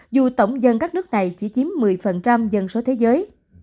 dù tổng dân các nước này chỉ chiếm một mươi dân số thế giới